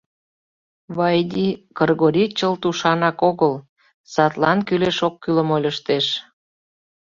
Вайди Кыргорий чылт ушанак огыл, садлан кӱлеш-оккӱлым ойлыштеш...